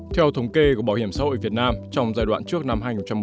theo thống kê của bảo hiểm xã hội việt nam trong giai đoạn trước năm hai nghìn một mươi chín